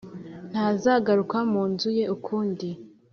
ntazagaruka mu nzu ye ukundi,